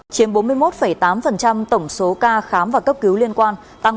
chiếm bốn mươi một tám tổng số ca khám và cấp cứu liên quan tăng bảy chín